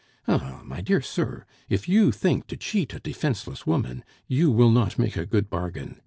Ah! my dear sir, if you think to cheat a defenceless woman, you will not make a good bargain!